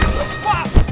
duh duh duh